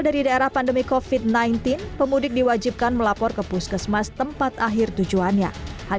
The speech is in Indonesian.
dari daerah pandemi kofit sembilan belas pemudik diwajibkan melapor ke puskesmas tempat akhir tujuannya